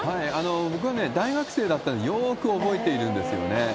僕はね、大学生だったんで、よーく覚えているんですよね。